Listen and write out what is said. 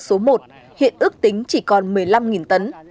cơn bão số một hiện ước tính chỉ còn một mươi năm tấn